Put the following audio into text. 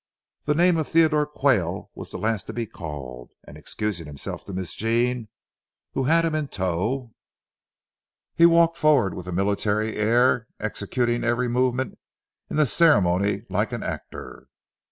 The name of Theodore Quayle was the last to be called, and excusing himself to Miss Jean, who had him in tow, he walked forward with a military air, executing every movement in the ceremony like an actor.